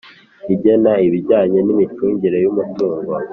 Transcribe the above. igena ibijyanye n’imicungire y’umutungo